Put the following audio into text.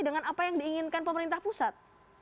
dengan apa yang diinginkan pemerintah pusat